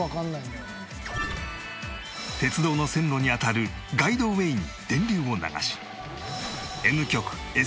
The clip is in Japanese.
鉄道の線路にあたるガイドウェイに電流を流し Ｎ 極 Ｓ